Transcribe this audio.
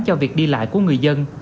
cho việc đi lại của người dân